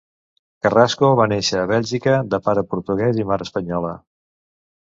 Carrasco va néixer a Bèlgica, de pare portuguès i mare espanyola.